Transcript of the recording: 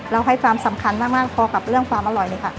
ให้ความสำคัญมากพอกับเรื่องความอร่อยเลยค่ะ